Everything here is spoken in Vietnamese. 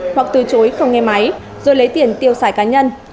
hoặc từ chối không nghe máy rồi lấy tiền tiêu xài cá nhân